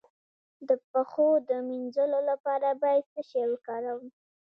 د پښو د مینځلو لپاره باید څه شی وکاروم؟